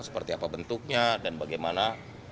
seperti apa bentuknya dan bagaimana